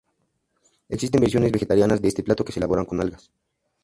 Existen versiones vegetarianas de este plato que se elaboran con algas.